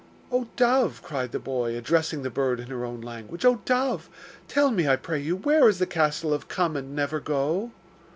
'Oh dove!' cried the boy, addressing the bird in her own language, 'Oh dove! tell me, I pray you, where is the castle of Come and never go?